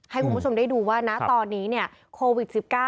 ให้คุณผู้ชมได้ดูว่านะตอนนี้โควิด๑๙